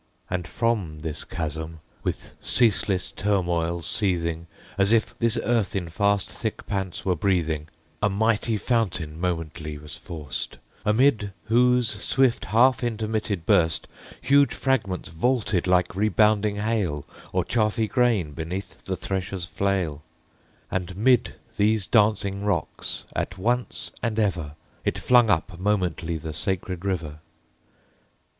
And from this chasm, with ceaseless turmoil seething, As if this earth in fast thick pants were breathing, A mighty fountain momently was forced: Amid whose swift half intermitted burst Huge fragments vaulted like rebounding hail, Or chaffy grain beneath the thresher's flail: And 'mid these dancing rocks at once and ever It flung up momently the sacred river.